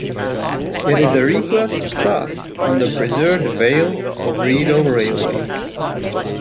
It is a request stop on the preserved Vale of Rheidol Railway.